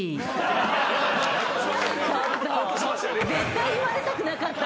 ちょっと。